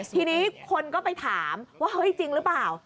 ทีนี้คนก็ไปถามว่าเฮ้ยจริงหรือเปล่า